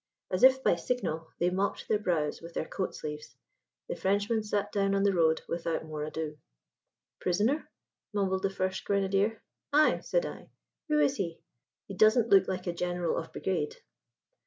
As if by signal they mopped their brows with their coat sleeves. The Frenchman sat down on the road without more ado. "Prisoner?" mumbled the first grenadier. "Ay," said I. "Who is he? He doesn't look like a general of brigade."